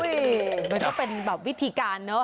มันก็เป็นแบบวิธีการเนอะ